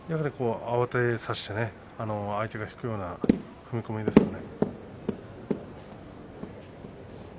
やはり慌てさせて相手が引くような踏み込みですよね。